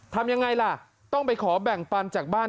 ทำอย่างไรล่ะต้องไปขอแบ่งปันที่บ้างบ้าน